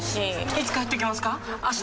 いつ帰ってきますか？